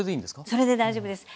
それで大丈夫です。